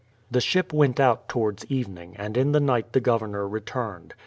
The ship went out towards evening, and in the night the Governor returned.